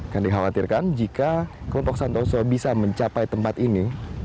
yang dikhawatirkan jika kelompok santoso bisa mencapai tempat ini